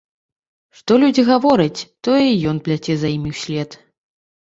Што людзі гавораць, тое і ён пляце за імі ўслед.